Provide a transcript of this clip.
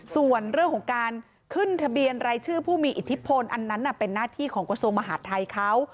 ส่วนเรื่องของการขึ้นทะเบียนรายชื่อผู้มีอิทธิพลอันนั้นเป็นหน้าที่ของกระทรวงมหาดไทยเขา